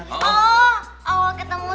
oh awal ketemu sama broding